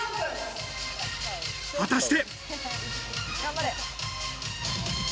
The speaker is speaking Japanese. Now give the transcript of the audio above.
果たして。